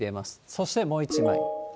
そしてもう一枚。